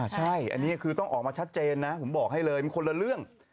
ใช่อันนี้คือต้องออกมาชัดเจนนะผมบอกให้เลยมันคนละเรื่อง